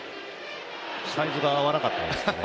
サイズが合わなかったんですかね。